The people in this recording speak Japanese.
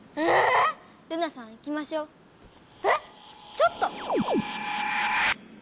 ちょっと！